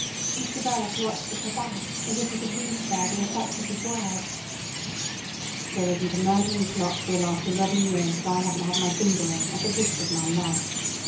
Mr Verloc watched at her back as if he could read there the effect of his words. "There isn't a murdering plot for the last eleven years that I hadn't my finger in at the risk of my life.